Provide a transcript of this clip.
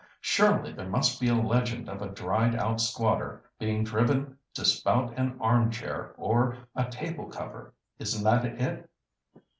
Surely there must be a legend of a dried out squatter being driven to spout an arm chair or a table cover. Isn't that it?"